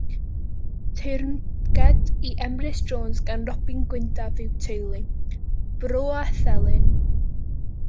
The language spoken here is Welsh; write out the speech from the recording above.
Teyrnged i Emrys Jones gan Robin Gwyndaf yw Teulu, Bro a Thelyn.